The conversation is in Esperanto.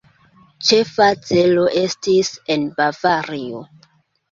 Ĉefa celo estis en Bavario.